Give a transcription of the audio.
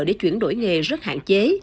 để chuyển đổi nghề rất hạn chế